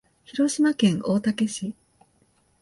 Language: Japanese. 広島県大竹市